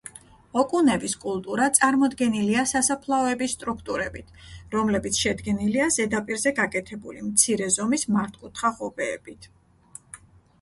ოკუნევის კულტურა წარმოდგენილია სასაფლაოების სტრუქტურებით, რომლებიც შედგენილია ზედაპირზე გაკეთებული მცირე ზომის მართკუთხა ღობეებით.